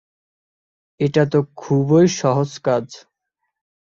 এটা তো খুবই সহজ কাজ।